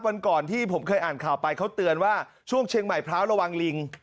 วันก่อนที่ผมเคยอ่านข่าวไปเขาเตือนว่าช่วงเชียงใหม่พร้าวระวังลิง